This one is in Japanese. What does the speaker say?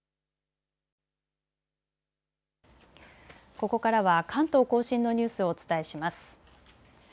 ここからは関東甲信のニュースをお伝えします。